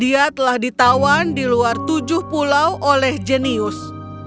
dia telah ditawan di luar tujuh pulau oleh jenius